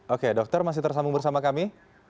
oke dokter masih tersambung bersama kami